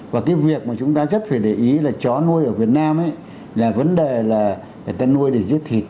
và cái việc mà chúng ta rất phải để ý là chó nuôi ở việt nam là vấn đề là người ta nuôi để giết thịt